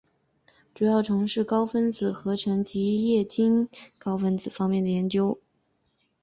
主要从事高分子合成及液晶高分子方面的研究。